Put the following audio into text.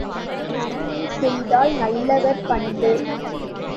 நன்மை செய்தல் நல்லவர் பண்பு.